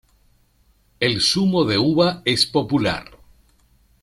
El zumo de uva es popular.